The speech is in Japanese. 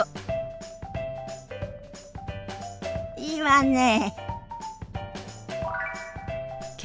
いいわね。